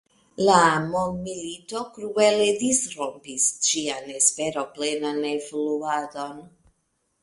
La mondmilito kruele disrompis ĝian esperoplenan evoluadon.